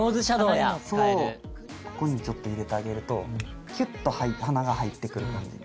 ここにもちょっと入れてあげるとキュッと鼻が入ってくる感じに。